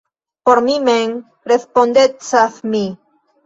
Por mi mem respondecas mi.